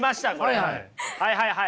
はいはいはい。